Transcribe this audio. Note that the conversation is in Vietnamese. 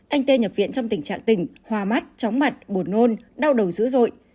anh t nhập viện trong tình trạng tỉnh hoa mắt chóng mặt buồn nôn đau đầu dữ dội